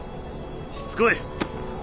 しつこい！